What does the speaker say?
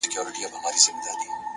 د زاړه فرش غږ د هر قدم یاد ساتي!